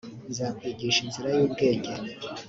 nzakwigisha inzira y ubwenge